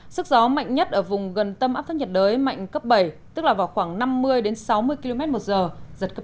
sức gió mạnh nhất ở vùng gần tâm áp thấp nhiệt đới mạnh cấp bảy tức là vào khoảng năm mươi sáu mươi km một giờ giật cấp chín